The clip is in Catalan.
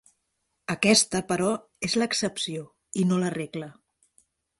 Aquesta, però, és l'excepció i no la regla.